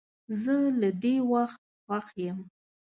زه له دې وخت خوښ یم.